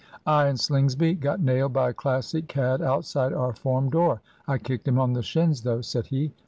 "I and Slingsby got nailed by a Classic cad outside our form door. I kicked him on the shins, though," said he.